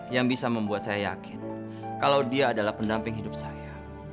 yang bisa membuat saya yakin kalau dia adalah pendamping hidup saya